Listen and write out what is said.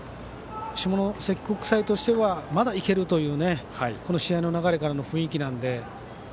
下関国際としてはまだいけるというこの試合の流れからの雰囲気なので。